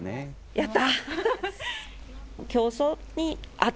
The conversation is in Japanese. やった！